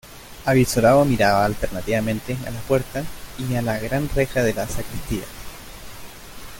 avizorado miraba alternativamente a la puerta y a la gran reja de la sacristía.